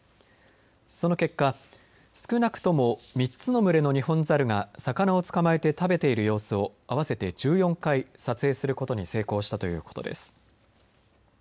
その結果、少なくとも３つの群れのニホンザルが魚を捕まえて食べている様子を合わせて１４回撮影することに成功したということです。